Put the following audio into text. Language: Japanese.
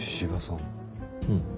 うん。